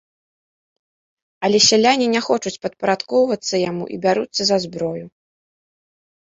Але сяляне не хочуць падпарадкоўвацца яму і бяруцца за зброю.